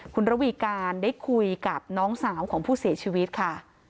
คุณระวีการได้คุยกับน้องสาวของผู้เสียชีวิตค่ะ